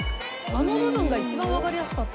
あの部分が一番わかりやすかった。